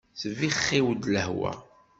Tesbixxiw-d lehwa.